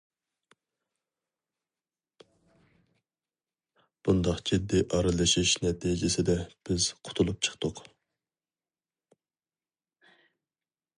بۇنداق جىددىي ئارىلىشىش نەتىجىسىدە بىز قۇتۇلۇپ چىقتۇق.